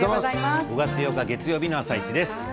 ５月８日月曜日の「あさイチ」です。